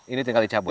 ini tinggal dicabut